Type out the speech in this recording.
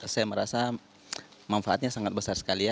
saya merasa manfaatnya sangat besar sekali ya